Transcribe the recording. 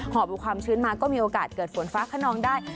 อบความชื้นมาก็มีโอกาสเกิดฝนฟ้าขนองได้